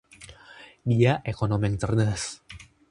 Dia ekonom yang cerdas.